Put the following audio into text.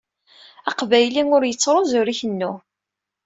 Aqbayli ur yettṛuẓ ur ikennu.